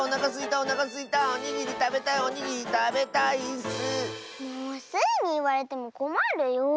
もうスイにいわれてもこまるよ。